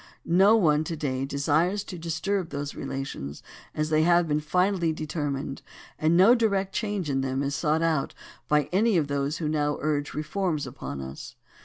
No one to day desires to disturb those relations as they have been finally determined, and no direct change in them is sought by any of those who now urge reforms upon us.